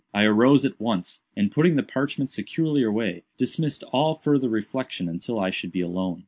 I arose at once, and putting the parchment securely away, dismissed all farther reflection until I should be alone.